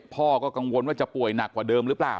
พ่อก็กังวลว่าจะป่วยหนักกว่าเดิมหรือเปล่า